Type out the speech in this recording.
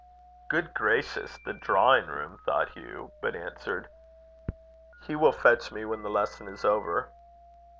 "Good gracious! The drawing room!" thought Hugh but answered: "He will fetch me when the lesson is over."